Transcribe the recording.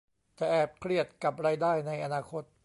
จะแอบเครียดกับรายได้ในอนาคต